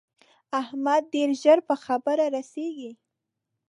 احمد ډېر ژر په خبره رسېږي.